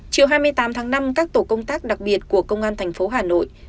chiều hai mươi tám tháng năm các tổ công tác đặc biệt của công an thành phố hà nội